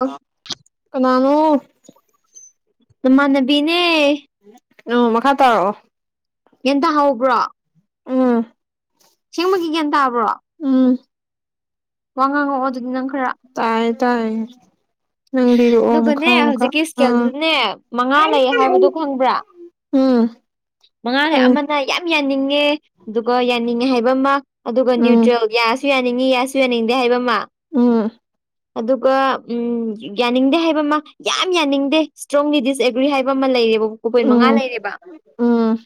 ꯑꯣ ꯑꯥ ꯀꯅꯥꯅꯣ ꯅꯃꯥꯟꯅꯕꯤꯅꯦ ꯗꯨ ꯃꯈꯥ ꯇꯥꯔꯛꯑꯣ ꯌꯦꯟꯗꯣ ꯍꯥꯎꯕ꯭ꯔꯣ ꯎꯝ ꯁꯦꯡꯕꯒꯤ ꯒ꯭ꯌꯥꯟ ꯇꯥꯕ꯭ꯔꯣ ꯎꯝ ꯋꯥ ꯉꯥꯡꯉꯛꯑꯣ ꯑꯗꯨꯗꯤ ꯅꯪ ꯈꯔ ꯇꯥꯏ ꯇꯥꯏ ꯅꯪ ꯂꯤꯔꯛꯑꯣ ꯑꯗꯨꯒꯅꯦ ꯃꯈ ꯃꯈꯥ ꯍꯧꯖꯤꯛꯀꯤ ꯑꯥ ꯏꯁꯀꯦꯜꯗꯨꯗꯅꯦ ꯃꯉꯥ ꯂꯩꯌꯦ ꯍꯥꯏꯕꯗꯣ ꯎꯝ ꯃꯉꯥꯅꯦ ꯈꯪꯉꯦ ꯑꯃꯅ ꯌꯥꯝ ꯌꯥꯅꯤꯡꯉꯦ ꯑꯗꯨꯒ ꯌꯥꯅꯤꯡꯉꯦ ꯍꯥꯏꯕ ꯑꯃ ꯑꯗꯨꯒ ꯎꯝ ꯅ꯭ꯌꯨꯇ꯭ꯔꯦꯜ ꯒ꯭ꯌꯥꯁ ꯌꯥꯁꯨ ꯌꯅꯤꯡꯉꯤ ꯌꯥꯁꯨ ꯌꯅꯤꯡꯗꯦ ꯍꯥꯢꯕ ꯃꯥ ꯎꯝ ꯑꯗꯨꯒ ꯎꯝ ꯌꯥꯅꯤꯡꯗꯦ ꯍꯥꯏꯕ ꯑꯃ ꯌꯥꯝ ꯌꯥꯅꯤꯡꯗꯦ ꯏꯁꯇ꯭ꯔꯣꯡꯂꯤ ꯗꯤꯁꯑꯦꯒ꯭ꯔꯤ ꯍꯥꯏꯕ ꯑꯃ ꯂꯩꯔꯦꯕ ꯀꯨ ꯄꯣꯏꯟ ꯃꯉꯥ ꯎꯝ ꯂꯩꯔꯦꯕ ꯎꯝ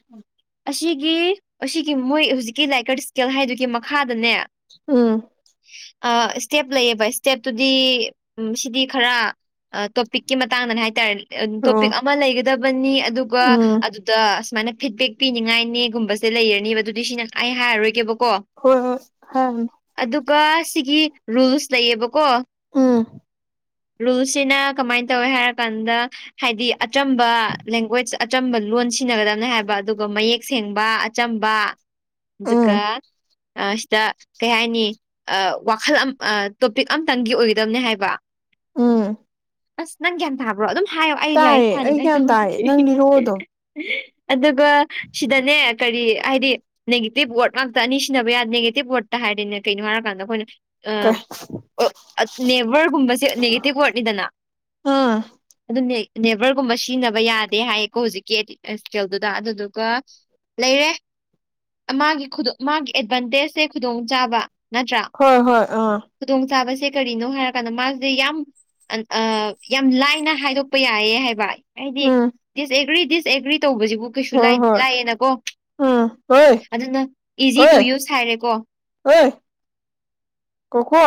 ꯑꯁꯤꯒꯤ ꯑꯁꯤꯒꯤ ꯃꯣꯏ ꯍꯧꯖꯤꯛꯀꯤ ꯂꯥꯏꯀꯔ ꯏꯁꯀꯦꯜ ꯍꯥꯏꯗꯨꯒꯤ ꯃꯈꯥꯗꯅꯦ ꯎꯝ ꯑ ꯏꯁꯇꯦꯞ ꯂꯩꯌꯦꯕ ꯏꯁꯇꯦꯞꯇꯨꯗꯤ ꯎꯝꯁꯤꯗꯤ ꯈꯔ ꯇꯣꯄꯤꯛꯀꯤ ꯃꯇꯥꯡꯗꯅꯦ ꯍꯥꯏꯇꯥꯔꯦ ꯑꯣ ꯇꯣꯄꯤꯛ ꯑꯃ ꯂꯩꯒꯗꯕꯅꯤ ꯑꯗꯨꯒ ꯎꯝ ꯑꯗꯨꯗ ꯁꯨꯃꯥꯏꯅ ꯐꯤꯠꯕꯦꯛ ꯄꯤꯅꯤꯡꯉꯥꯏꯅꯦꯒꯨꯝꯕꯁꯦ ꯂꯩꯔꯅꯤꯕ ꯑꯗꯨꯗꯤ ꯁꯤꯅ ꯑꯩ ꯍꯥꯏꯔꯔꯣꯏꯒꯦꯕꯀꯣ ꯍ ꯍ ꯑꯗꯨꯒ ꯁꯤꯒꯤ ꯔꯨꯜꯁ ꯂꯩꯌꯦꯕꯀꯣ ꯑꯥ ꯔꯨꯜꯁꯤꯅ ꯀꯃꯥꯏꯅ ꯇꯧꯋꯦ ꯍꯥꯏꯔꯀꯥꯟꯗ ꯍꯥꯏꯗꯤ ꯑꯆꯝꯕ ꯂꯦꯡꯒ꯭ꯋꯣꯁꯖ ꯑꯆꯝꯕ ꯂꯣꯟ ꯁꯤꯖꯤꯟꯅꯒꯗꯕꯅꯦ ꯍꯥꯏꯕ ꯑꯗꯨꯒ ꯃꯌꯦꯛ ꯁꯦꯡꯕ ꯑꯆꯝꯕ ꯎꯝ ꯑꯗꯨꯒ ꯁꯤꯗ ꯀꯩ ꯍꯥꯏꯅꯤ ꯑ ꯋꯥꯈꯜ ꯑꯝ ꯇꯣꯄꯤꯛ ꯑꯝꯇꯪꯒꯤ ꯑꯣꯏꯒꯗꯕꯅꯦ ꯍꯥꯏꯕ ꯎꯝ ꯑꯁ ꯅꯪ ꯒ꯭ꯌꯥꯟ ꯇꯥꯕ꯭ꯔꯣ ꯑꯗꯨꯝ ꯍꯥꯏꯌꯣ ꯑꯩ ꯂꯥꯏꯔꯤꯛ ꯇꯥꯏꯌꯦ ꯑꯩ ꯄꯥꯅꯤꯡꯉꯥꯏ ꯒ꯭ꯌꯥꯟ ꯇꯥꯏꯌꯦ ꯇꯧꯔꯝꯁꯤ ꯅꯪ ꯂꯤꯔꯛꯑꯣ ꯑꯗꯨꯝ ꯑꯗꯨꯒ ꯁꯤꯗꯅꯦ ꯀꯔꯤ ꯍꯥꯏꯗꯤ ꯅꯦꯒꯇꯤꯛ ꯋꯥꯔꯗ ꯉꯥꯛꯇ ꯑꯅꯤ ꯁꯤꯖꯤꯟꯅꯕ ꯌꯥꯗꯦ ꯅꯦꯒꯇꯤꯞ ꯋꯥꯔꯗꯠꯇ ꯍꯥꯏꯔꯗꯤꯅꯦ ꯀꯩꯅꯣ ꯍꯥꯏꯔꯀꯥꯟꯗ ꯑꯩꯈꯣꯏꯅ ꯀꯩ ꯅꯦꯚꯔꯒꯨꯝꯕꯁꯦ ꯅꯦꯒꯦꯇꯤꯞ ꯋꯥꯔꯗꯅꯤꯗꯅ ꯑꯥ ꯑꯗꯨꯝ ꯅꯦꯕꯔꯒꯨꯝꯕ ꯁꯤꯖꯤꯟꯅꯕ ꯌꯥꯗꯦ ꯍꯥꯏꯌꯦꯀꯣ ꯍꯧꯖꯤꯛꯀꯤ ꯏꯁꯀꯦꯜꯗꯨꯗ ꯑꯗꯨꯗꯨꯒ ꯂꯩꯔꯦ ꯃꯥꯒꯤ ꯃꯥꯒꯤ ꯑꯦꯗꯚꯥꯟꯇꯦꯖꯁꯦ ꯈꯨꯗꯣꯡꯆꯥꯥꯕ ꯅꯠꯇ꯭ꯔꯥ ꯍꯣꯏ ꯍꯣꯏ ꯑꯥ ꯈꯨꯗꯣꯡ ꯆꯥꯕꯁꯦ ꯀꯔꯤꯅꯣ ꯍꯥꯏꯔ ꯀꯥꯟꯗ ꯃꯥ ꯑꯥ ꯌꯝ ꯑꯥ ꯌꯥꯝ ꯂꯥꯏꯅ ꯍꯥꯏꯗꯣꯛꯄ ꯌꯥꯏꯌꯦ ꯍꯥꯏꯕ ꯑꯩꯗꯤ ꯎꯝ ꯗꯤꯁꯑꯒ꯭ꯔꯤ ꯗꯤꯁꯑꯒ꯭ꯔꯤ ꯇꯧꯕꯖꯤꯕꯨ ꯀꯩꯁꯨ ꯍꯣꯏ ꯂꯥꯏ ꯍꯣꯏ ꯂꯥꯏ ꯑꯦꯅꯀꯣ ꯎꯝ ꯍꯣꯏ ꯑꯗꯨꯅ ꯏꯖꯤ ꯇꯨ ꯌꯨꯁ ꯍꯥꯏꯔꯦꯀꯣ ꯑꯣ ꯀꯣꯀꯣ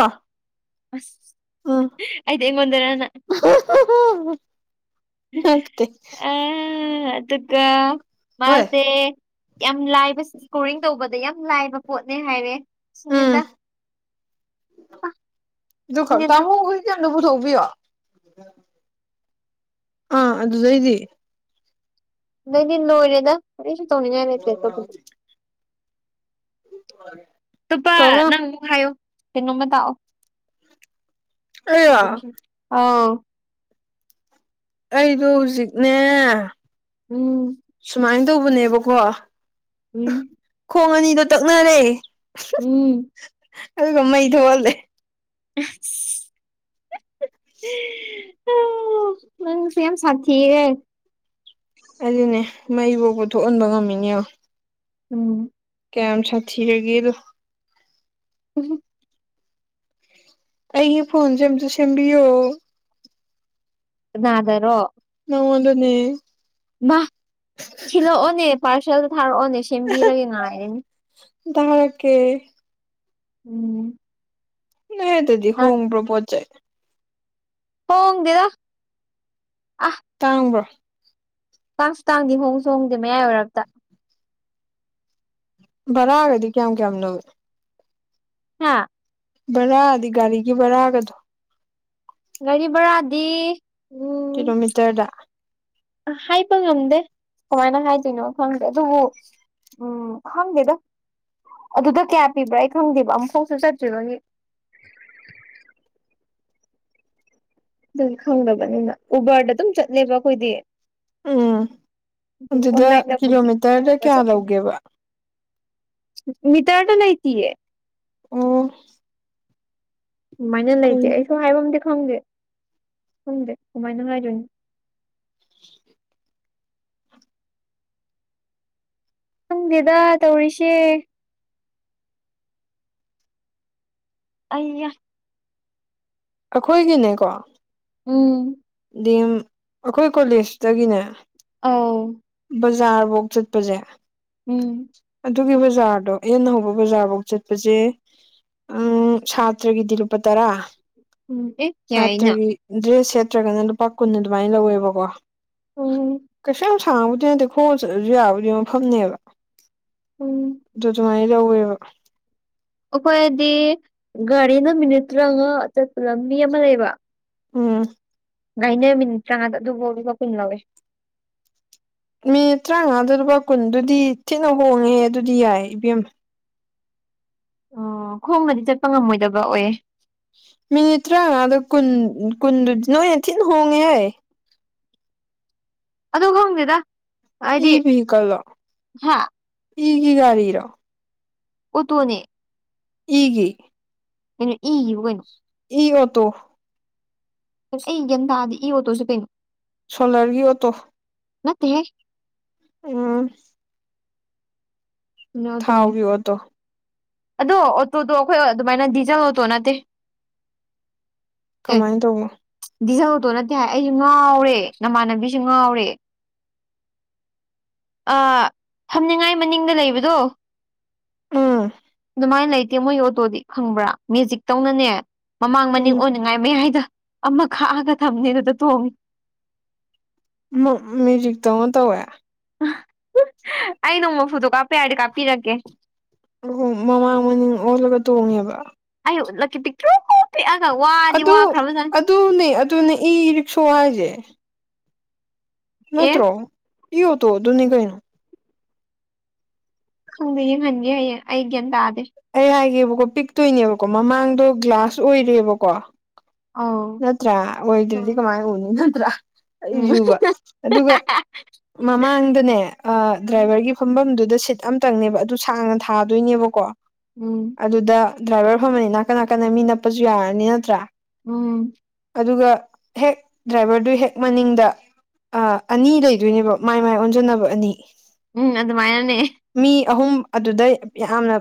ꯑꯁ ꯎꯝ ꯑꯩꯗꯤ ꯑꯩꯉꯣꯟꯗꯔꯅ [unintelligible] ꯅꯠꯇꯦ ꯑꯥ ꯑꯗꯨꯒ ꯍꯣꯏ ꯃꯥꯖꯦ ꯌꯥꯝ ꯂꯥꯏꯗ ꯏꯁꯀꯣꯔꯤꯡ ꯇꯧꯕꯗ ꯌꯥꯝ ꯂꯥꯏꯕ ꯄꯣꯠꯅꯦ ꯍꯥꯏꯔꯦ ꯎꯝ ꯁꯨꯅꯤꯗ ꯑꯗꯨꯈꯛ ꯁꯤꯅꯤꯗ ꯇꯥꯃꯣ ꯍꯨꯏ ꯖꯦ ꯑꯝꯇꯥ ꯄꯨꯊꯣꯛꯄꯤꯌꯣ ꯑꯥ ꯑꯗꯨꯗꯩꯗꯤ ꯑꯗꯨꯗꯤ ꯂꯣꯏꯔꯦꯗ ꯀꯩꯁꯨ ꯇꯧꯅꯤꯡꯉꯥꯏ ꯂꯩꯇꯦ ꯑꯇꯣꯞꯄꯗꯤ ꯇꯨꯄꯥ ꯇꯧꯔꯣ ꯅꯪ ꯅꯪ ꯍꯥꯏꯎꯣ ꯀꯩꯅꯣꯝꯃꯥ ꯇꯥꯛꯑꯣ ꯑꯩꯔꯣ ꯑꯧ ꯑꯩꯗꯣ ꯍꯧꯖꯤꯛꯅꯦ ꯎꯝ ꯁꯨꯃꯥꯏꯅ ꯇꯧꯕꯅꯦꯕꯀꯣ ꯎꯝ ꯈꯣꯡ ꯑꯅꯤꯗꯣ ꯇꯛꯅꯔꯦ ꯎꯝ ꯑꯗꯨꯒ ꯃꯩ ꯊꯣꯛꯍꯜꯂꯦ ꯎ ꯑꯣ ꯅꯪꯁꯨ ꯌꯥꯝ ꯁꯥꯊꯤꯌꯦ ꯑꯗꯨꯅꯦ ꯃꯩ ꯕꯣꯛꯕ ꯊꯣꯛꯍꯟꯕ ꯉꯝꯃꯤꯅꯦ ꯎꯦꯡꯉꯣ ꯎꯝ ꯎꯥꯝ ꯁꯥꯊꯤꯔꯒꯦ ꯑꯗꯣ ꯎꯝ ꯑꯩꯒꯤ ꯐꯣꯟꯁꯦ ꯑꯝꯇ ꯁꯦꯝꯕꯤꯌꯣ ꯅꯥꯗꯔꯣ ꯅꯅꯥ ꯑꯣꯗꯅꯦ ꯃꯥ ꯊꯤꯜꯂꯛꯑꯣꯅꯦ ꯄꯥꯔꯁꯦꯜꯗ ꯊꯥꯔꯛꯑꯣꯅꯦ ꯁꯦꯝꯕꯤꯔꯒꯦ ꯉꯥꯏꯔꯅꯤ ꯔ ꯀꯦ ꯎꯝ ꯅ ꯑꯗꯨꯗꯤ ꯊꯥꯔꯛ- ꯍꯣꯡꯝꯕ꯭ꯔꯣꯄꯣꯖꯥꯏ ꯍꯒꯦꯗ ꯑ ꯇꯥꯡꯕ꯭ꯔꯣ ꯇꯥꯡꯁꯨ ꯇꯥꯡꯗꯦ ꯍꯣꯡꯁꯨ ꯍꯣꯡꯗꯦ ꯃꯌꯥꯏ ꯑꯣꯏꯔꯞꯇ ꯕꯔꯥꯗꯗꯤ ꯀꯌꯥꯝ ꯀꯌꯥꯝ ꯂꯧꯋꯤ ꯍꯥ ꯕꯔꯥꯗꯤ ꯒꯥꯔꯤꯒꯤ ꯕꯔꯥꯒꯗꯣ ꯒꯥꯔꯤ ꯚꯔꯥꯗꯤ ꯀꯤꯂꯣꯃꯤꯇꯔꯗ ꯍꯥꯏꯕ ꯉꯝꯗꯦ ꯀꯃꯥꯏꯅ ꯍꯥꯏꯗꯣꯏꯅꯣ ꯈꯪꯗꯦ ꯑꯗꯨꯕꯨ ꯎꯝ ꯈꯪꯗꯦꯗ ꯑꯗꯨꯗ ꯀꯌꯥ ꯄꯤꯕ꯭ꯔꯥ ꯑꯩ ꯈꯪꯗꯦꯕ ꯑꯃꯨꯛꯐꯥꯎꯁꯨ ꯆꯠꯇ꯭ꯔꯤꯕꯥꯅꯤꯅ ꯑꯗꯨꯝ ꯈꯪꯗꯕꯅꯤꯅ ꯎꯕꯔꯗ ꯑꯗꯨꯝ ꯆꯠꯂꯦꯕ ꯑꯩꯈꯣꯏꯗꯤ ꯎꯝ ꯑꯗꯨꯝ ꯑꯗꯨꯗ ꯑꯣꯟꯂꯥꯏꯟꯗ ꯕꯨꯀꯤꯡ ꯀꯤꯂꯣꯃꯤꯇꯔꯗ ꯇꯧꯔꯒ ꯀꯌꯥ ꯂꯧꯒꯦꯕ ꯃꯤ ꯇ꯭ꯔꯇ ꯂꯇꯌꯦ ꯑꯣ ꯑꯗꯨꯃꯥꯏꯅ ꯀꯩ ꯂꯩꯇꯦ ꯑꯩꯁꯨ ꯍꯥꯏꯕꯝꯗꯤ ꯈꯪꯗꯦ ꯈꯪꯗꯦ ꯀꯃꯥꯏꯅ ꯉꯥꯏꯗꯣꯏꯅꯤ [inaudible] ꯌꯦꯗꯥ ꯇꯧꯔꯤꯁꯤꯦ ꯑꯌꯥ ꯑꯩꯈꯣꯏꯒꯤꯅꯦꯀꯣ ꯎꯝ ꯑꯦꯝ ꯑꯩꯈꯣꯏ ꯀꯣꯂꯦꯖꯇꯒꯤꯅꯦ ꯑꯥꯎ ꯕꯖꯥꯔꯐꯧ ꯆꯠꯄꯁꯦ ꯎꯝ ꯑꯗꯨꯒꯤ ꯕꯖꯥꯔꯗꯣ ꯑꯦꯟꯅ ꯍꯧꯕ ꯕꯖꯥꯔꯐꯧ ꯆꯠꯄꯁꯦ ꯎꯝ ꯁꯥꯇ꯭ꯔꯒꯤꯗꯤ ꯂꯨꯄꯥ ꯇꯔꯥ ꯎꯝ ꯑꯦ ꯌꯥꯏꯅ ꯁꯥꯇ꯭ꯔꯒꯤ ꯗ꯭ꯔꯦꯁ ꯁꯥꯠꯇ꯭ꯔꯒꯅ ꯂꯨꯄꯥ ꯀꯨꯟ ꯑꯗꯨꯃꯥꯏꯅ ꯂꯧꯋꯦꯕꯀꯣ ꯎꯝ ꯀꯩꯁ ꯌꯥꯝ ꯁꯥꯡꯕꯨꯗꯤ ꯅꯗꯦ ꯈꯣꯁꯨ ꯌꯥꯕꯨꯗꯤ ꯃꯐꯝꯅꯦꯕ ꯎꯝ ꯑꯗꯨ ꯑꯗꯨꯃꯥꯏꯅ ꯇꯧꯋꯦꯕ ꯑꯩꯈꯣꯏꯗꯤ ꯒꯥꯔꯤꯅ ꯃꯤꯅꯤꯠ ꯇꯔꯥꯉꯥ ꯆꯠꯄ ꯂꯝ ꯃꯤ ꯑꯃ ꯂꯩꯕ ꯎꯝ ꯉꯥꯏꯅꯦ ꯃꯤꯅꯤꯠ ꯆꯥꯉꯥꯗ ꯑꯗꯨꯐꯥꯎꯕꯒ ꯀꯨꯟ ꯂꯧꯋꯦ ꯃꯤꯅꯤꯠ ꯇꯔꯥꯃꯉꯥꯗꯄꯥ ꯀꯨꯟꯗꯨꯗꯤ ꯊꯤꯅ ꯍꯣꯡꯉꯦ ꯑꯗꯨꯗꯤ ꯌꯥꯏ ꯏꯕꯤꯌꯝꯃꯦ ꯑꯣ ꯈꯣꯡꯅꯗꯤ ꯆꯠꯄ ꯉꯝꯃꯣꯏꯗꯕ ꯑꯣꯏꯌꯦꯦ ꯃꯤꯅꯤꯠ ꯇꯔꯥꯃꯉꯥꯗ ꯀꯨꯟ ꯀꯨꯟꯗꯨꯗꯤ ꯅꯣꯏꯅ ꯊꯤꯅ ꯍꯣꯡꯉꯦ ꯌꯥꯏ ꯑꯗ ꯍꯪꯗꯦꯗ ꯏ ꯦꯍꯤꯀꯜ ꯔ ꯍꯥ ꯏꯒꯤ ꯒꯥꯔꯤ ꯔ ꯎꯇꯅꯦ ꯑꯩꯒꯤ ꯀꯩꯅꯣ ꯏ ꯀꯩꯅꯣ ꯏꯣ ꯇ ꯑꯩ ꯏ ꯌꯦꯟꯇꯥꯗꯤ ꯏꯌꯣ ꯇꯣꯏꯁꯨ ꯀꯩꯅꯣ ꯁꯣꯂꯔꯒꯤ ꯑꯣꯇꯣ ꯃꯦ ꯎꯝ ꯊꯥꯎꯒꯤ ꯑꯣꯇꯣ [unintelligible] ꯑꯗꯣ ꯑꯣꯇꯣꯗꯣ ꯑꯩꯈꯣꯏ ꯑꯗꯨꯃꯥꯏꯅ ꯗꯤꯖꯜ ꯑꯣꯇꯣ ꯅꯠꯇꯦ ꯑꯦ ꯀꯃꯥꯏꯅ ꯇꯧꯅꯣ ꯗꯤꯖꯜ ꯑꯣꯇꯣ ꯅꯠꯇꯦ ꯍꯥꯏ ꯑꯩꯁꯨ ꯉꯥꯎꯔꯦ ꯅꯃꯥꯟꯅꯕꯤꯁꯦ ꯉꯥꯎꯔꯦ ꯑꯥ ꯐꯝꯅꯤꯡꯉꯥꯏ ꯃꯅꯤꯡꯗ ꯂꯩꯕꯗꯣ ꯑꯥ [unintelligible] ꯂꯩꯇꯦ ꯃꯣꯏ ꯑꯣꯇꯣꯗꯤ ꯈꯪꯕ꯭ꯔ ꯃꯦꯖꯤꯛ ꯇꯧꯅꯅꯦ ꯃꯃꯥꯡ ꯃꯅꯤꯡ ꯎꯝ ꯉꯥꯏ ꯃꯌꯥꯏꯗ ꯑꯃ ꯈꯥꯛꯑꯒ ꯊꯝꯅꯦ ꯑꯗꯨꯗ ꯇꯣꯡꯉꯤ ꯃꯦꯖꯤꯛꯇꯧ ꯇꯧꯋꯦ ꯑꯩ ꯅꯣꯡ ꯃꯐꯨꯗꯣ ꯀꯥꯞꯄ ꯌꯥꯔꯗꯤ ꯀꯥꯞꯄꯤꯔꯛꯀꯦ ꯑ ꯃꯃꯥꯡ ꯃꯅꯤꯡ ꯑꯣꯜꯂꯒ ꯇꯣꯡꯉꯦꯕ ꯑꯣ ꯂꯛ ꯄꯤ꯭ꯔꯣ ꯑꯒ ꯋꯥ ꯑꯗꯨ ꯑꯗꯨꯅꯦ ꯑꯗꯨꯅꯦ ꯏꯔꯤꯛꯁꯣ ꯍꯥꯏꯖꯦ ꯑꯦ ꯅꯠꯇ꯭ꯔꯣ ꯏꯑꯣꯇꯣ ꯑꯗꯨꯨꯅꯦ ꯀꯩꯅꯣ ꯈꯪꯗꯦ ꯌꯦꯡꯍꯟꯒꯦ ꯍꯌꯦ ꯑꯩ ꯒ꯭ꯌꯥꯟ ꯇꯗꯦ ꯑꯩ ꯍꯥꯏꯒꯦꯕꯀꯣ ꯄꯤꯛꯇꯣꯏꯅꯦꯕꯀꯣ ꯃꯃꯥꯡꯗꯣ ꯒ꯭ꯂꯥꯁ ꯑꯣꯏꯔꯦꯕꯀꯣ ꯑꯧ ꯅꯠꯇ꯭ꯔꯥ ꯑꯣꯏꯗꯔꯗꯤ ꯎꯝ ꯀꯃꯥꯏꯅ ꯎꯅꯤ ꯅꯠꯇ꯭ꯔꯥ ꯎꯝ ꯑꯩꯖꯨꯕ ꯑꯗꯨꯒ ꯃꯃꯥꯡꯗꯅꯦ ꯗ꯭ꯔꯥꯏꯚꯔꯒꯤ ꯐꯨꯝꯐꯝꯗꯨꯗ ꯁꯤꯠ ꯑꯝꯇꯪꯅꯦꯕ ꯑꯗꯨ ꯁꯥꯡꯅ ꯊꯥꯗꯣꯏꯅꯦꯕ ꯀꯣ ꯎꯝ ꯑꯗꯨꯗ ꯗ꯭ꯔꯥꯏꯚꯔ ꯐꯝꯃꯅꯤ ꯅꯥꯀꯟ ꯅꯥꯀꯟꯅ ꯃꯤ ꯅꯞꯄꯁꯨ ꯌꯥꯔꯅꯤ ꯅꯠꯇ꯭ꯔꯥ ꯎꯝ ꯑꯗꯨꯒ ꯍꯦꯛ ꯗ꯭ꯔꯥꯏꯚꯔꯗꯨꯒꯤ ꯍꯦꯛ ꯃꯅꯤꯡꯗ ꯑꯥ ꯑꯅꯤ ꯂꯩꯗꯣꯏꯅꯦꯕ ꯃꯥꯏ ꯃꯥꯏ ꯑꯣꯟꯖꯟꯅꯕ ꯑꯅꯤ ꯎꯝ ꯑꯗꯨꯃꯥꯏꯅꯅꯦ ꯃꯤ ꯑꯍꯨꯝ ꯑꯗꯨꯗ ꯌꯥꯝꯅ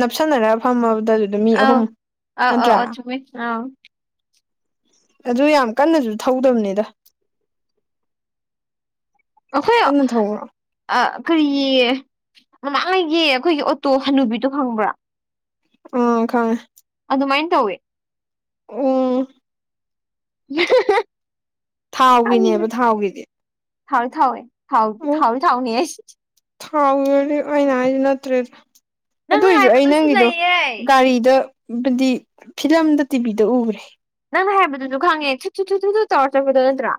ꯅꯞꯁꯟꯅꯔꯒ ꯐꯝꯃꯕꯗ ꯃꯤ ꯑꯧ ꯑꯍꯨꯝ ꯑꯧ ꯅꯠꯇ꯭ꯔꯥ [unintelligible] ꯑꯗꯨ ꯌꯥꯝ ꯀꯟꯅꯁꯨ ꯊꯧꯗꯕꯅꯤꯗ ꯀꯟꯅ ꯊꯧꯕ꯭ꯔꯣ [unintelligible] ꯑꯥ ꯀꯔꯤꯌꯦ ꯃꯃꯥꯡꯉꯩꯒꯤ ꯑꯩꯈꯣꯏꯒꯤ ꯑꯣꯇꯣ ꯍꯅꯨꯕꯤꯗꯣ ꯈꯪꯕ꯭ꯔꯥ ꯎꯝ ꯈꯪꯉꯦ ꯑꯗꯨꯃꯥꯏꯅ ꯇꯧꯋꯦ ꯑꯣ [unintelligible] ꯊꯥꯎꯒꯤꯅꯦꯕ ꯈꯪꯗ꯭ꯔꯤ ꯊꯥꯎꯒꯤꯗꯤ ꯊꯥꯎꯋꯦ ꯊꯥꯎꯋꯣꯏ ꯊꯥꯎ ꯎꯝ ꯊꯥꯎ ꯊꯥꯎꯅꯤꯍꯦ ꯊꯥꯎꯒꯤ ꯑꯣꯏꯔꯗꯤ ꯑꯩꯅ ꯍꯥꯏꯁꯦ ꯅꯠꯇ꯭ꯔꯦꯗ ꯅꯪꯅ ꯑꯗꯣꯏꯖꯨ ꯑꯩ ꯍꯥꯏꯕꯗꯨꯁꯨ ꯅꯪꯒꯤꯗꯣ ꯂꯩꯌꯦ ꯒꯥꯔꯤꯗ ꯕꯨꯗꯤ ꯐꯤꯂꯝꯗ ꯇꯤꯚꯤꯗ ꯎꯒ꯭ꯔꯦ ꯅꯪꯅ ꯍꯥꯏꯕꯗꯨꯁꯨ ꯈꯪꯉꯦ ꯊꯨꯠ ꯊꯨꯠ ꯊꯨꯠ ꯇꯧꯔꯒ ꯆꯠꯄꯗꯣ ꯅꯠꯇ꯭ꯔꯥ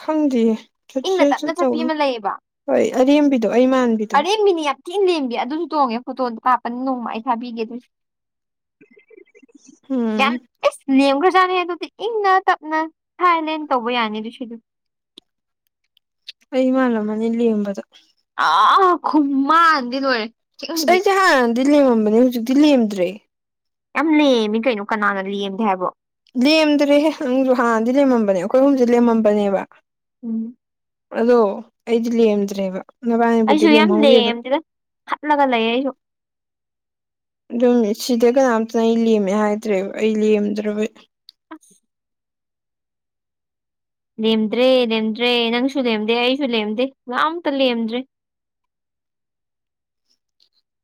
ꯈꯪꯗꯤꯌꯦ ꯊꯨꯠ ꯏꯪꯅ ꯊꯨꯠ ꯊꯨꯠ ꯇꯞꯅ ꯆꯠꯄꯤ ꯇꯧꯕ ꯑꯃ ꯂꯩꯌꯦꯕ ꯍꯣꯏ ꯑꯔꯦꯝꯕꯤꯗꯣ ꯑꯩ ꯃꯥꯟꯕꯤꯗꯣ ꯊꯤ ꯂꯦꯝꯕꯤ ꯑꯗꯨꯁꯨ ꯇꯣꯡꯉꯦ ꯐꯣꯇꯣꯟꯗꯣ ꯀꯥꯞꯄꯅꯤꯕ ꯅꯣꯡꯃ ꯑꯩ ꯊꯥꯕꯤꯒꯦ ꯑꯗꯨꯁꯨ ꯎꯝ ꯌꯥꯝ ꯏꯁ ꯂꯦꯝꯈ꯭ꯔꯖꯥꯠꯅꯦ ꯑꯗꯨꯗꯤ ꯏꯪꯅ ꯇꯞꯅ ꯊꯥꯏꯂꯦꯟ ꯇꯧꯕ ꯌꯥꯅꯤ ꯑꯗꯨꯁꯨ ꯑꯗꯨꯝ ꯑꯩ ꯃꯥꯜꯔꯝꯃꯅꯤ ꯔꯦꯝꯕꯗ ꯑ ꯈꯨꯃꯟꯗꯤ ꯂꯣꯏꯔꯦ ꯑꯁ ꯆꯤꯡꯒꯤ ꯑꯩꯁꯦ ꯍꯥꯟꯅꯗꯤ ꯂꯦꯝꯃꯝꯕꯅꯦ ꯍꯧꯖꯤꯛꯇꯤ ꯂꯦꯝꯗ꯭ꯔꯦ ꯌꯥꯝ ꯂꯦꯝꯃꯤ ꯀꯩꯅꯣ ꯀꯅꯥꯅ ꯂꯦꯝꯗꯦ ꯍꯥꯏꯕꯣ ꯂꯦꯝꯗ꯭ꯔꯦꯍꯦ ꯅꯪꯁꯨ ꯍꯥꯟꯅꯗꯤ ꯂꯦꯝꯃꯝꯕꯅꯦ ꯑꯩꯈꯣꯏ ꯑꯍꯨꯝꯁꯦ ꯂꯦꯝꯃꯝꯕꯅꯦꯕ ꯎꯝ ꯑꯗꯣ ꯑꯩꯗꯤ ꯂꯦꯝꯗ꯭ꯔꯦꯕ ꯅꯕꯥꯅꯤꯕꯨꯨꯗꯤ ꯑꯩꯁꯨ ꯌꯥꯝ ꯂꯦꯝꯍꯧꯔꯤ ꯑꯗꯨꯝ ꯂꯦꯝꯗꯦꯗ ꯈꯠꯂꯒ ꯂꯩ ꯑꯩꯁꯨ ꯑꯗꯨ ꯃꯦꯁꯤꯗ ꯀꯅꯥꯝꯇꯅ ꯂꯦꯝꯃꯦ ꯍꯥꯏꯗ꯭ꯔꯦꯕ ꯑꯩ ꯂꯦꯝꯗ꯭ꯔꯕꯩ ꯑꯁ ꯂꯦꯝꯗ꯭ꯔꯦ ꯂꯦꯝꯗ꯭ꯔꯦ ꯅꯪꯁꯨ ꯂꯦꯝꯗꯦ ꯑꯩꯁꯨ ꯂꯦꯝꯗꯦ ꯀꯅꯥꯝꯇ ꯂꯦꯝꯗ꯭ꯔꯦ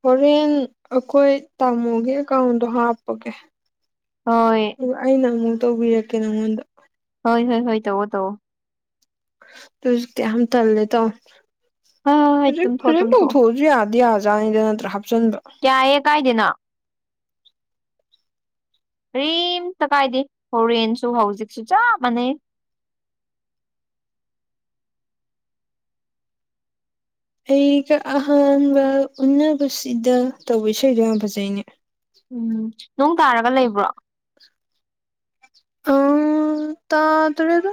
ꯍꯣꯔꯦꯟ ꯑꯩꯈꯣꯏ ꯇꯥꯃꯣꯒꯤ ꯑꯦꯀꯥꯎꯟꯗꯣ ꯍꯥꯞꯄꯒꯦ ꯍꯣꯏ ꯑꯩ ꯅꯪꯅꯕ ꯇꯧꯕꯤꯔꯛꯀꯦ ꯅꯪꯉꯣꯟꯗ ꯍꯣꯏ ꯍꯣꯏ ꯍꯣꯏ ꯇꯧꯋꯣ ꯇꯧꯋꯣ [unintelligible] ꯌꯥꯝ ꯇꯜꯂꯦ ꯇꯧ ꯍꯣꯏ ꯍꯣꯏ ꯍꯣꯏ ꯍꯧꯖꯤꯛ ꯇꯨꯝꯊꯣꯛꯑꯣ ꯍꯧꯖꯤꯛ ꯇꯨꯝꯊꯣꯛꯑꯣ ꯇꯧꯊꯣꯛꯑꯁꯨ ꯌꯥꯗꯤ ꯌꯥꯕꯖꯥꯠꯅꯤ ꯅꯠꯇ꯭ꯔꯥ ꯍꯥꯞꯆꯤꯟꯕ ꯌꯥꯏꯌꯦ ꯀꯥꯏꯗꯦꯅ ꯀꯔꯤꯝꯇ ꯀꯥꯏꯗꯦ ꯍꯣꯔꯦꯟꯁꯨ ꯍꯧꯖꯤꯛꯁꯨ ꯆꯞ ꯃꯥꯟꯅꯩ ꯑꯩꯒ ꯑꯍꯟꯕ ꯎꯕꯁꯤꯗ ꯇꯧꯕ ꯏꯁꯩꯗꯣ ꯌꯥꯝ ꯐꯖꯩꯅꯦ ꯎꯝ ꯅꯣꯡ ꯇꯥꯔꯒ ꯂꯩꯕ꯭ꯔꯣ ꯎꯝ ꯇꯥꯗ꯭ꯔꯦꯗ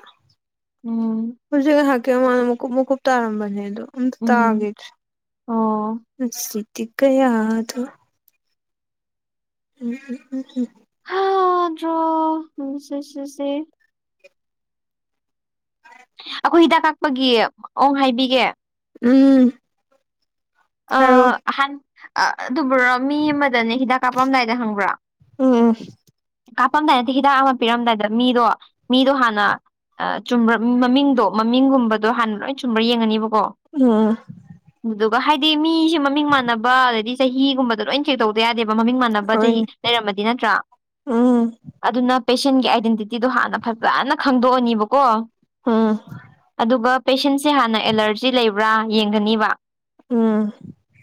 ꯎꯝ ꯍꯧꯖꯤꯛ ꯉꯩꯍꯥꯀꯤ ꯃꯥꯃꯡꯗ ꯃꯀꯨꯞ ꯃꯀꯨꯞ ꯇꯥꯔꯝꯕꯅꯦ ꯑꯗꯨ ꯑꯝꯇꯥ ꯎꯝ ꯇꯥꯒꯤꯗ꯭ꯔꯦ ꯑꯣ ꯉꯁꯤꯗꯤ ꯀꯌꯥꯗ ꯎꯝ ꯎꯝ ꯎꯝ ꯍꯗ꯭ꯔꯣ ꯅꯣꯡꯁꯨ ꯆꯨꯁꯦ ꯑꯩꯈꯣꯏ ꯍꯤꯗꯥꯛ ꯀꯥꯄꯒꯤ ꯃꯑꯣ ꯍꯥꯏꯕꯤꯒꯦ ꯎꯝ ꯑꯥ ꯍꯥꯏꯔꯛꯑꯣ ꯑꯍꯥꯟ ꯑꯗꯨꯕꯨꯔꯣ ꯃꯤ ꯑꯃꯗꯅꯦ ꯍꯤꯗꯥꯛ ꯀꯥꯞꯄꯝꯗꯥꯏꯗ ꯈꯪꯕ꯭ꯔꯥ ꯎꯝ ꯀꯥꯞꯄꯝꯗꯥꯏ ꯅꯠꯇꯦ ꯍꯤꯗꯥꯛ ꯑꯃ ꯄꯤꯔꯝꯗꯥꯏꯗ ꯃꯤꯗꯣ ꯃꯤꯗꯣ ꯍꯥꯟꯅ ꯆꯨꯝꯕ꯭ꯔ ꯃꯃꯤꯡꯗꯣ ꯃꯃꯤꯡꯒꯨꯝꯕꯗꯣ ꯍꯥꯟꯅ ꯂꯣꯏꯅ ꯆꯨꯝꯕ꯭ꯔꯥ ꯌꯦꯡꯉꯅꯤꯕꯀꯣ [unintelligible] ꯑꯗꯨꯒ ꯍꯥꯏꯗꯤ ꯃꯤꯁꯦ ꯃꯃꯤꯡ ꯃꯥꯟꯅꯕ ꯑꯗꯩꯗꯤ ꯆꯍꯤꯒꯨꯝꯕꯗ ꯂꯣꯏ ꯆꯦꯛ ꯇꯧꯗ ꯌꯥꯗꯦꯕ ꯃꯃꯤꯡ ꯃꯥꯟꯅꯕ ꯆꯍꯤ ꯍꯣꯏꯅꯦ ꯂꯩꯔꯝꯃꯗꯤ ꯅꯠꯇ꯭ꯔꯥ ꯎꯝ ꯑꯗꯨꯅ ꯄꯦꯁꯦꯟꯒꯤ ꯑꯥꯏꯗꯦꯟꯇꯤꯇꯤꯗꯣ ꯍꯥꯟꯅ ꯐꯖꯅ ꯈꯪꯗꯣꯛꯑꯅꯤꯕꯀꯣ ꯎꯝ ꯑꯗꯨꯒ ꯄꯦꯁꯦꯟꯁꯦ ꯍꯥꯟꯅ ꯑꯦꯂꯔꯖꯤ ꯂꯩꯕ꯭ꯔꯥ ꯌꯦꯡꯒꯅꯤꯕ ꯎꯝ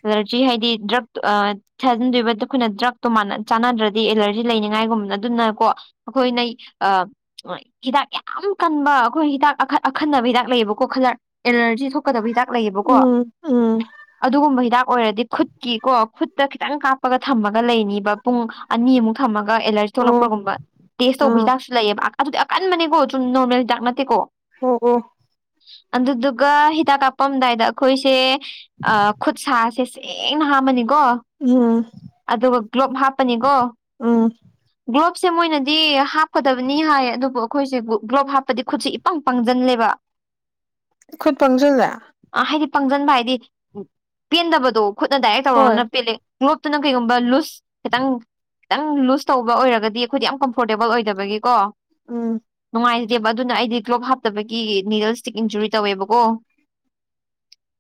ꯑꯦꯂꯔꯖꯤ ꯍꯥꯏꯗꯤ ꯗ꯭ꯔꯛ ꯑꯥ ꯊꯥꯖꯤꯟꯗꯣꯏꯕ ꯑꯩꯈꯣꯏꯅ ꯗ꯭ꯔꯛꯇꯣ ꯆꯥꯟꯅꯗ꯭ꯔꯗꯤ ꯑꯦꯂꯔꯖꯤ ꯂꯩꯅꯤꯉꯥꯏꯒꯨꯝꯕꯅ ꯑꯗꯨꯅ ꯀꯣ ꯑꯩꯈꯣꯏꯅ ꯑꯥ ꯍꯤꯗꯥꯛ ꯌꯥꯝ ꯀꯟꯕ ꯑꯩꯈꯣꯏ ꯍꯤꯗꯥꯛ ꯑꯈꯟꯅꯕ ꯍꯤꯗꯥꯛ ꯂꯩꯌꯦꯕꯀꯣ ꯈꯔꯠ ꯑꯦꯂꯔꯖꯤ ꯊꯣꯛꯀꯗꯕ ꯍꯤꯗꯥꯛ ꯂꯩꯌꯦꯕꯀꯣ ꯎꯝ ꯎꯝ ꯑꯗꯨꯒꯨꯝꯕ ꯍꯤꯗꯥꯛ ꯑꯣꯏꯔꯗꯤ ꯈꯨꯠꯀꯤ ꯀꯣ ꯈꯨꯠ ꯇ ꯈꯤꯇꯪ ꯀꯥꯞꯄꯒ ꯊꯝꯃꯒ ꯂꯩꯅꯤꯕ ꯄꯨꯡ ꯑꯅꯤꯃꯨꯛ ꯊꯝꯃꯒ ꯑꯦꯂꯔꯖꯤ ꯑꯣ ꯊꯣꯛꯂꯛꯄꯒꯨꯝꯕ ꯇꯦꯁ ꯇꯧꯕ ꯑꯥ ꯍꯤꯗꯥꯛꯁꯨ ꯂꯩꯌꯦꯕ ꯑꯗꯨꯗꯤ ꯑꯀꯟꯕꯅꯦꯀꯣ ꯁꯨꯝ ꯅꯣꯔꯃꯦꯜ ꯍꯤꯗꯥꯛ ꯅꯠꯇꯦꯀꯣ ꯑꯣ ꯑꯣ ꯑꯗꯨꯗꯨꯒ ꯍꯤꯗꯥꯛ ꯀꯥꯞꯄꯝꯗꯥꯏꯗ ꯑꯩꯈꯣꯏꯁꯦ ꯑꯥ ꯈꯨꯠꯁꯥꯁꯦ ꯁꯦꯡꯅ ꯍꯥꯝꯃꯅꯤꯀꯣ ꯎꯝ ꯑꯗꯨꯒ ꯒ꯭ꯂꯣꯞ ꯍꯥꯞꯄꯅꯤꯀꯣ ꯎꯝ ꯒ꯭ꯂꯣꯞꯁꯦ ꯃꯣꯏꯅꯗꯤ ꯍꯥꯞꯀꯗꯕꯅꯤ ꯍꯥꯏ ꯑꯗꯨꯕꯨ ꯑꯩꯈꯣꯏꯁꯦ ꯒ꯭ꯂꯣꯞ ꯍꯥꯞꯄꯗꯤ ꯈꯨꯠꯁ ꯄꯪ ꯄꯪꯁꯤꯜꯂꯦꯕ ꯈꯨꯠ ꯄꯪꯖꯤꯡꯂꯦ ꯑ ꯍꯥꯏꯗꯤ ꯄꯪꯁꯤꯟꯕ ꯍꯥꯏꯗꯤ ꯄꯦꯟꯗꯕꯗꯣ ꯈꯨꯠꯅ ꯗꯥꯏꯔꯦꯛ ꯇꯧꯔꯅ ꯍꯣꯏ ꯄꯦꯜꯂ ꯒ꯭ꯂꯣꯞꯇꯨꯅ ꯀꯩꯒꯨꯝꯕ ꯂꯨꯁ ꯈꯤꯇꯪ ꯈꯤꯇꯪ ꯂꯨꯖ ꯇꯧꯕ ꯑꯣꯏꯔꯒꯗꯤ ꯑꯩꯈꯣꯏꯗꯤ ꯌꯥꯝ ꯀꯝꯐꯣꯔꯇꯦꯕꯜ ꯑꯣꯏꯗꯕꯒꯤꯀꯣ ꯎꯝ ꯅꯨꯡꯉꯥꯏꯖꯗꯦꯕ ꯑꯗꯨꯅ ꯑꯩꯗꯤ ꯀ꯭ꯂꯒ꯭ꯂꯣꯞ ꯍꯥꯞꯇꯕꯒꯤ ꯅꯤꯗꯜ ꯏꯁꯇꯤꯛ ꯏꯟꯖꯨꯔꯤ ꯇꯧꯋꯦꯕꯀꯣ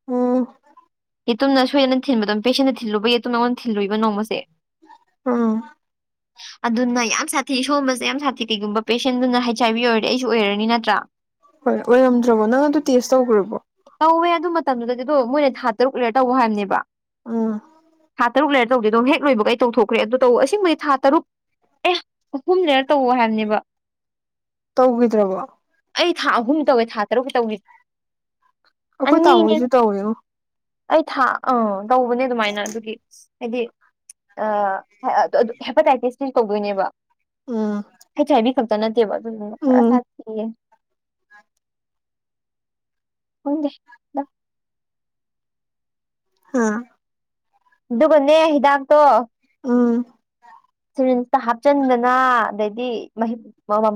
ꯎꯝ ꯌꯦꯇꯨꯝꯅ ꯁꯣꯏꯗꯅ ꯊꯤꯟꯕꯗ ꯄꯦꯁꯦꯟꯗ ꯊꯤꯂꯨꯕꯒꯤ ꯌꯦꯇꯨꯝꯅ ꯑꯩꯉꯣꯟꯗ ꯊꯤꯜꯂꯨꯕ ꯅꯣꯡꯃꯁꯦ ꯑꯥ ꯑꯗꯨꯅ ꯌꯥꯝ ꯁꯥꯊꯤ ꯁꯣꯝꯕꯁꯦ ꯌꯥꯝ ꯁꯥꯊꯤ ꯀꯩꯒꯨꯝꯕ ꯄꯦꯁꯦꯟꯗꯨꯅ ꯍꯩꯆ ꯑꯥꯏ ꯕꯤ ꯑꯣꯏꯔꯗꯤ ꯑꯩꯁꯨ ꯑꯣꯏꯔꯅꯤ ꯅꯠꯇ꯭ꯔꯥ ꯍꯣꯏ ꯑꯣꯏꯔꯝꯗ꯭ꯔꯕꯣ ꯅꯪ ꯑꯗꯨ ꯇꯦꯁ ꯇꯧꯒ꯭ꯔꯕꯣ ꯇꯧꯋꯦ ꯑꯗꯨ ꯃꯇꯝꯗꯨꯗꯗꯤ ꯑꯗꯣ ꯃꯣꯏꯅ ꯊꯥ ꯇꯔꯨꯛ ꯂꯩꯔ ꯇꯧ ꯍꯥꯏꯕꯅꯦꯕ ꯑꯥ ꯊꯥ ꯇꯔꯨꯛ ꯂꯩꯔ ꯇꯧꯗꯦ ꯍꯦꯛ ꯂꯣꯏꯕꯒꯩ ꯑꯩ ꯇꯧꯊꯣꯛꯈ꯭ꯔꯦ ꯑꯗꯨ ꯇꯧꯕ ꯑꯁꯦꯡꯕ ꯊꯥ ꯇꯔꯨꯛ ꯑꯦ ꯑꯍꯨꯝ ꯂꯩꯔ ꯇꯧ ꯍꯥꯏꯕꯅꯦꯕ ꯇꯧꯒꯤꯗ꯭ꯔꯕꯣ ꯑꯩ ꯊꯥ ꯑꯍꯨꯝ ꯇꯧꯋꯦ ꯊꯥ ꯇꯔꯨꯛꯀꯤ ꯇꯧꯈꯤꯁꯦ ꯑꯣꯈꯣꯏ ꯇꯥꯎꯑꯣꯁꯨꯨ ꯇꯧꯑꯦꯌꯣ ꯑꯩ ꯊꯥ ꯑꯥ ꯇꯧꯕꯅꯦ ꯑꯗꯨꯃꯥꯏꯅ ꯑꯗꯨꯒꯤ ꯍꯥꯏꯗꯤ ꯑꯥ ꯍꯦꯄꯥꯇꯥꯏꯇꯤꯁꯇ ꯇꯧꯗꯣꯏꯅꯦꯕ ꯎꯝ ꯑꯩ ꯆꯥꯏꯕꯤ ꯈꯛꯇ ꯅꯠꯇꯦꯕ ꯑꯗꯨꯗꯨꯅ ꯈꯔ ꯎꯝ ꯁꯥꯊꯤꯌꯦ ꯎꯗꯦ ꯍꯥ ꯑꯗꯨꯒꯅꯦ ꯍꯤꯗꯥꯛꯇꯣ ꯑꯨꯝ ꯁꯔꯤꯟꯁꯇ ꯍꯥꯞꯆꯤꯟꯗꯅ ꯑꯗꯩꯗꯤ ꯃꯍꯤꯛ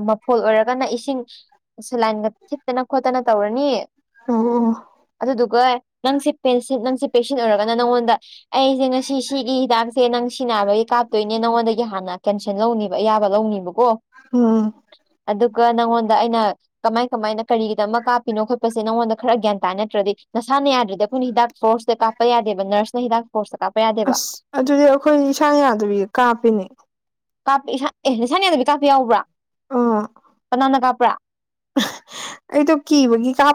ꯃꯐꯣꯜ ꯑꯣꯏꯔꯒꯅ ꯏꯁꯤꯡ ꯁ ꯂꯥꯏꯟꯒ ꯊꯈꯤꯠꯇꯅ ꯈꯣꯠꯇꯅ ꯇꯧꯔꯅꯤ ꯑꯨ ꯑꯣ ꯑꯗꯨꯗꯨꯒ ꯅꯪꯁꯦ ꯄꯦꯟꯁꯤ ꯅꯪꯁꯦ ꯄꯦꯟꯁꯤꯟ ꯑꯣꯏꯔꯒꯅ ꯅꯪꯉꯣꯟꯗ ꯑꯩꯁꯦ ꯉꯁꯤ ꯁꯤꯒꯤ ꯍꯤꯗꯥꯛꯁꯦ ꯅꯪ ꯁꯤꯅꯕꯒꯤ ꯀꯥꯞꯇꯣꯏꯅꯦ ꯑꯩꯉꯣꯟꯗꯒꯤ ꯍꯥꯟꯅ ꯀꯦꯟꯁꯟ ꯂꯧꯅꯤꯕ ꯑꯌꯥꯕ ꯂꯧꯅꯤꯕꯀꯣ ꯑꯣꯝ ꯑꯗꯨꯒ ꯅꯪꯉꯣꯟꯗ ꯑꯩꯅ ꯀꯃꯥꯏ ꯀꯃꯥꯏꯅ ꯀꯔꯤꯒꯤꯗ ꯑꯃ ꯀꯥꯞꯄꯤꯅꯣ ꯈꯣꯠꯄꯁꯦ ꯅꯉꯣꯟꯗ ꯈꯔ ꯒ꯭ꯌꯥꯟ ꯇꯥꯏ ꯅꯠꯇ꯭ꯔꯗꯤ ꯅꯁꯥꯅ ꯌꯥꯗ꯭ꯔꯗꯤ ꯑꯩꯈꯣꯏꯅ ꯍꯤꯗꯥꯛ ꯐꯣꯔꯁꯇ ꯀꯥꯞ ꯀꯞꯄ ꯌꯥꯗꯦꯕ ꯅꯔꯁꯅ ꯍꯤꯗꯥꯛ ꯐꯣꯔꯣꯔꯁꯇ ꯀꯞꯄ ꯌꯥꯗꯦꯕ ꯑꯁ ꯑꯗꯨꯗꯤ ꯑꯩꯈꯣꯏ ꯏꯁꯥ ꯌꯥꯗꯕꯤ ꯀꯥꯞꯄꯤꯅꯦ ꯀꯥꯞꯄꯤ ꯑꯦ ꯏꯁꯥꯅꯤ ꯑꯗꯨꯒꯤ ꯀꯥꯞꯄ ꯌꯥꯎꯕ꯭ꯔꯥ ꯑꯥ ꯀꯅꯥꯝꯅ ꯀꯥꯞꯄ꯭ꯔꯥ ꯑꯩꯇꯣ ꯀꯤꯕꯒꯤ ꯀꯥꯄ